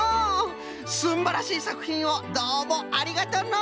すんばらしいさくひんをどうもありがとうのう。